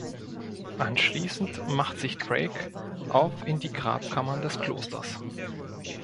Anschließend macht sich Drake auf in die Grabkammern des Klosters.